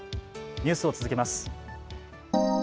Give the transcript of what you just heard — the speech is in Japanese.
ニュースを続けます。